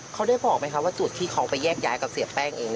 เขาได้บอกไหมคะว่าจุดที่เขาไปแยกย้ายกับเสียแป้งเอง